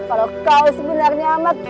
kalau kau sebenarnya amat